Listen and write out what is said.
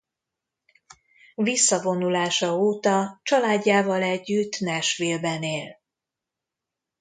Visszavonulása óta családjával együtt Nashville-ben él.